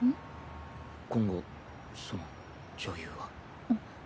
今後その女優は。んっ。